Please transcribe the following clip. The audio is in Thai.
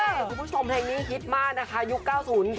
คุณผู้ชมเพลงนี้ฮิตมากนะคะยุคเก้าศูนย์